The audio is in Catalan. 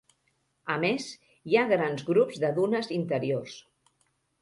A més, hi ha grans grups de dunes interiors.